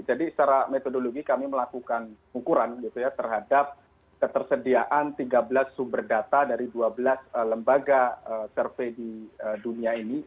jadi secara metodologi kami melakukan ukuran terhadap ketersediaan tiga belas sumber data dari dua belas lembaga survei di dunia ini